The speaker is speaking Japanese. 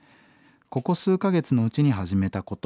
ここ数か月のうちに始めたこと。